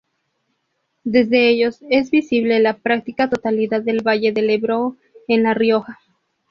Desde ellos es visible la práctica totalidad del valle del Ebro en La Rioja.